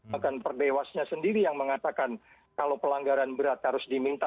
bahkan perdewasnya sendiri yang mengatakan kalau pelanggaran berat harus diminta